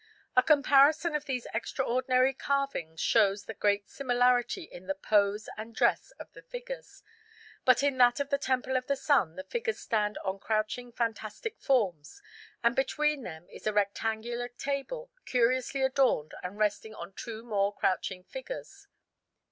] A comparison of these extraordinary carvings shows great similarity in the pose and dress of the figures; but in that of the Temple of the Sun the figures stand on crouching fantastic forms, and between them is a rectangular table curiously adorned and resting on two more crouching figures.